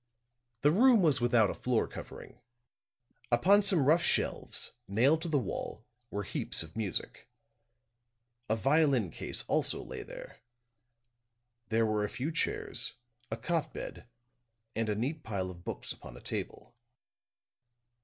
The room was without a floor covering. Upon some rough shelves, nailed to the wall, were heaps of music. A violin case also lay there. There were a few chairs, a cot bed, and a neat pile of books upon a table.